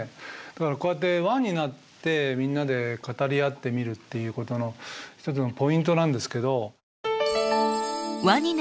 だからこうやって輪になってみんなで語り合ってみるっていうことの一つのポイントなんですけど。